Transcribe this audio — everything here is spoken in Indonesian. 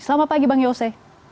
selamat pagi bang yose